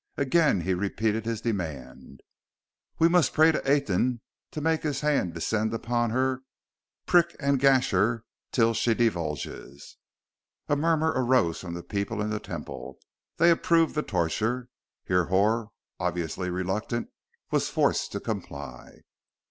Again be repeated his demand. "We must pray to Aten to make his hand descend on her, prick and gash her, till she divulges!" A murmur arose from the people in the Temple: they approved the torture. Hrihor, obviously reluctant, was forced to comply.